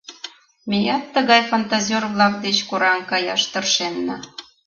Меат тыгай фантазёр-влак деч кораҥ каяш тыршенна.